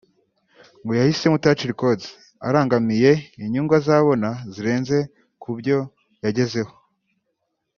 ngo yahisemo Touch Records arangamiye inyunzu azabona zirenze ku byo yagezeho